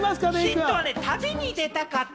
ヒントは旅に出たかった。